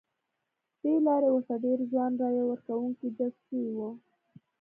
ه دې لارې ورته ډېر ځوان رایه ورکوونکي جذب شوي وو.